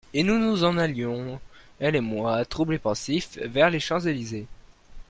Et nous nous en allions, elle et moi, trouble et pensifs, vers les Champs-Elysees.